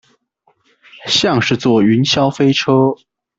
像是坐雲霄飛車